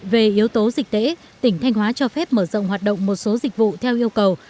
về yếu tố dịch tễ tỉnh thanh hóa cho phép mở rộng hoạt động một số dịch vụ theo yêu cầu